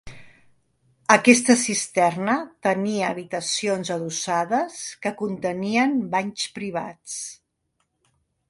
Aquesta cisterna tenia habitacions adossades que contenien banys privats.